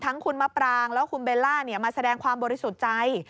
คุณมะปรางแล้วคุณเบลล่ามาแสดงความบริสุทธิ์ใจ